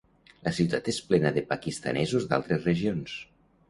La ciutat és plena de pakistanesos d'altres regions.